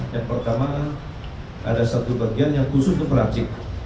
yang pertama ada satu bagian yang khusus untuk perancis